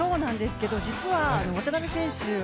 実は渡辺選手